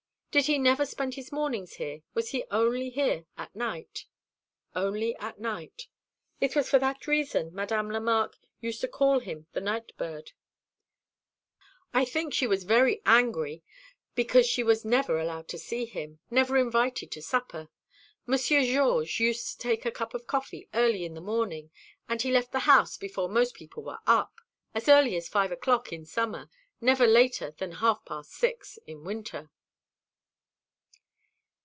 "Did he never spend his mornings here? Was he only here at night?" "Only at night. It was for that reason Madame Lemarque used to call him the night bird. I think she was very angry because she was never allowed to see him never invited to supper. Monsieur Georges used to take a cup of coffee early in the morning, and he left the house before most people were up. As early as five o'clock in summer, never later than half past six in winter."